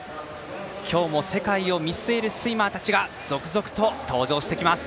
今日も世界を見据えるスイマーたちが続々と登場してきます。